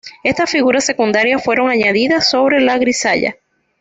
Estas figuras secundarias fueron añadidas sobre la grisalla.